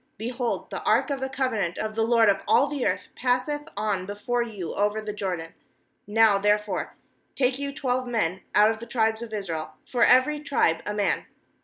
Be hold, the ark of the covenant of the Lord of all the earth passeth on before you over the Jordan. ^Now there fore take you twelve men put of the tribes of Israel, for every tribe a man.